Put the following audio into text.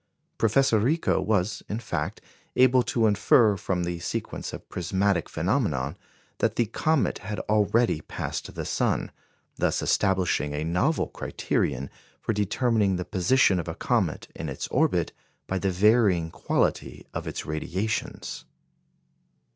Professor Riccò was, in fact, able to infer, from the sequence of prismatic phenomena, that the comet had already passed the sun; thus establishing a novel criterion for determining the position of a comet in its orbit by the varying quality of its radiations.